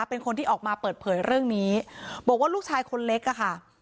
เป็นคนที่ออกมาเปิดเผยเรื่องนี้บอกว่าลูกชายคนเล็กอะค่ะ